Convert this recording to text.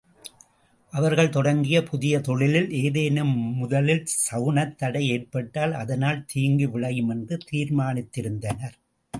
அவர்கள் தொடங்கும் புதிய தொழிலில் ஏதேனும் முதலில் சகுனத்தடை ஏற்பட்டால் அதனால் தீங்கே விளையும் என்று தீர்மானித்திருந்தனர்.